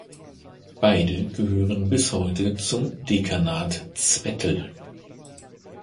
Beide gehören bis heute zum Dekanat Zwettl.